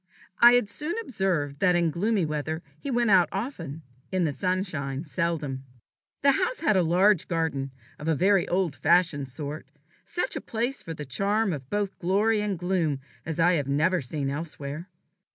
I had soon observed that in gloomy weather he went out often, in the sunshine seldom. The house had a large garden, of a very old fashioned sort, such a place for the charm of both glory and gloom as I have never seen elsewhere.